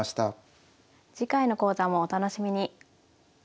次回の講座もお楽しみに。